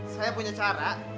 saya punya cara